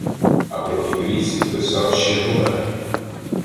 А про кімерійців писав ще Гомер -